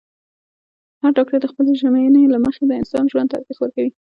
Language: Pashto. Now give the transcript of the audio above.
هر ډاکټر د خپلې ژمنې له مخې د انسان ژوند ته ارزښت ورکوي.